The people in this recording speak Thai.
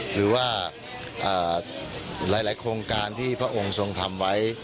หรือว่าหลายโครงการที่พระองค์ทรงทำไว้